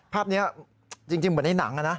ภาพนี้จริงเหมือนในหนังนะ